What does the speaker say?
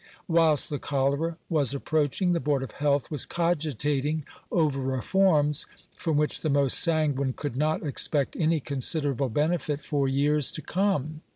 Whilst the cholera was approaching, the Board of Health was cogitating over reforms, from which the most sanguine could not expect any considerable benefit for years to come.